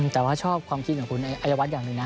แต่ว่าชอบความคิดของคุณอายวัฒน์อย่างหนึ่งนะ